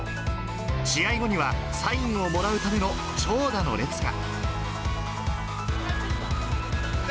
試合後には、サインをもらうための長蛇の列が。